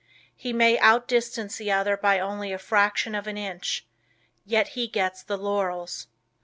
He may outdistance the other by only a fraction of an inch, yet he gets the laurels.